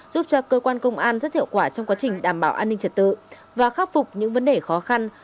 giúp cho cơ quan công an rất hiệu quả trong quá trình đảm bảo an ninh trật tự và khắc phục những vấn đề khó khăn